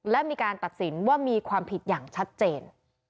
และมีการตัดสินว่ามีความผิดอย่างชัดเจน